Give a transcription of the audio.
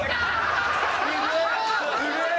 ・すげえ！